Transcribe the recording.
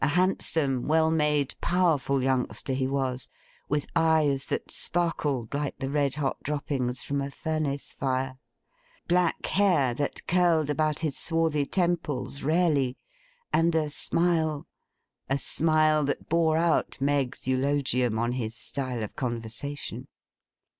A handsome, well made, powerful youngster he was; with eyes that sparkled like the red hot droppings from a furnace fire; black hair that curled about his swarthy temples rarely; and a smile—a smile that bore out Meg's eulogium on his style of conversation.